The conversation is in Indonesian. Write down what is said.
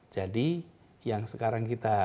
jadi yang sekarang kita